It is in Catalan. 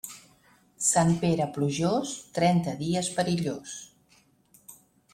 Sant Pere plujós, trenta dies perillós.